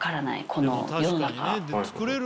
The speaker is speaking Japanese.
この世の中。